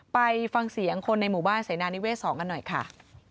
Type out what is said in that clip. ไปฟังเสียงคนในหมู่บ้านเสนานิเวศ๒กันหน่อยค่ะ